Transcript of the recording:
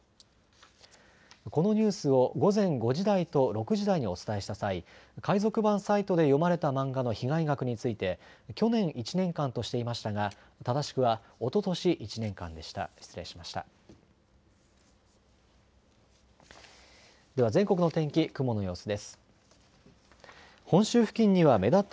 このニュースを午前５時台と６時台にお伝えした際、海賊版サイトで読まれた漫画の被害額について去年１年間としていましたが正しくはおととし１年間でした失礼しました。